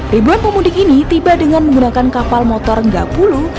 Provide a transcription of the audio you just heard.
ribuan pemudik ini tiba dengan menggunakan kapal motor gapulu